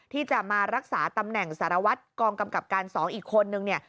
ที่จะมารักษาตำแหน่งสารวัตรกองกำกับการ๒อีกคนนึงเนี่ย